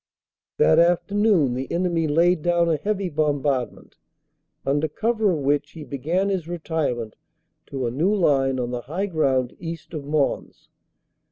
That afternoon the enemy laid down a heavy bombardment, under cover of which he began his retirement to a new line on the high ground east of Mons.